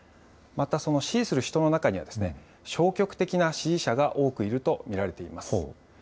また、その支持する人の中には、消極的な支持者が多くいると見られています。